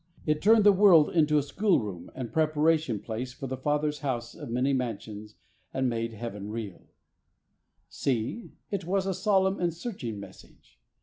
It turned the world into a schoolroom and preparation place for the Father's house of many mansions, and made Heaven real, (c) It was a solemn and a searching mes sage.